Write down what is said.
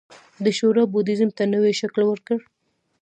دې شورا بودیزم ته نوی شکل ورکړ